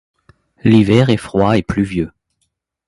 L'hiver est froid et pluvieux.